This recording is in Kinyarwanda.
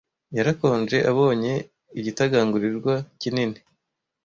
Yarakonje abonye igitagangurirwa kinini.